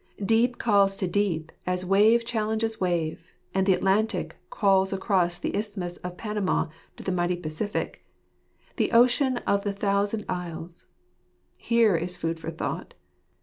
Deep calls unto deep, as wave challenges wave ; and the Atlantic calls across the Isthmus of Panama to .the mighty Pacific, the ocean of the thousand isles. Here is food for thought